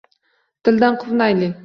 Dildan quvnaylik.